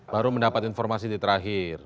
baru mendapat informasi di terakhir